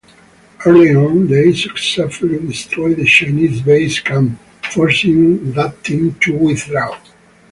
Early on, they successfully destroy the Chinese base camp, forcing that team to withdraw.